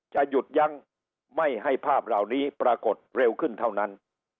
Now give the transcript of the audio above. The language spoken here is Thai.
จะหยุดยั้งไม่ให้ภาพเหล่านี้ปรากฏเร็วขึ้นเท่านั้น